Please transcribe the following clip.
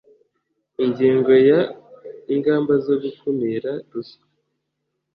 Ingingo ya Ingamba zo gukumira ruswa